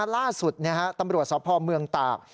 ล่าสุดตำรวจสพเมืองตาก